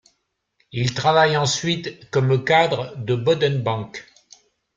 Il travaille ensuite comme cadre de Boden Bank.